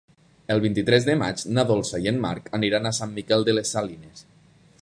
El vint-i-tres de maig na Dolça i en Marc aniran a Sant Miquel de les Salines.